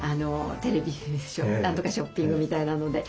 テレビなんとかショッピングみたいなので。